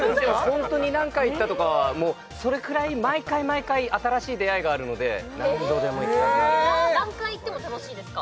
ホントに何回行ったとかはもうそれくらい毎回毎回新しい出会いがあるので何度でも行きたくなるえ何回行っても楽しいですか？